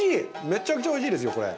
めちゃくちゃおいしいですよこれ。